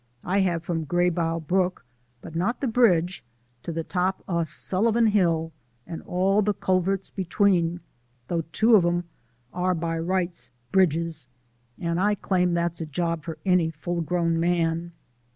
"I have from Grabow Brook, but not the bridge, to the top o' Sullivan Hill, and all the culverts between, though two of 'em are by rights bridges. And I claim that's a job for any full grown man."